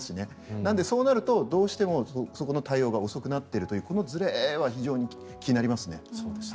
なので、そうなるとどうしても、そこの対応が遅くなっているというこのずれは非常に気になりますね。